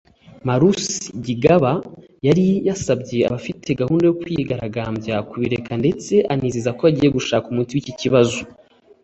Malusi Gigaba yari yasabye abafite gahunda yo kwigaragambya kubireka ndetse anizeza ko agiye gushaka umuti w’iki kibazo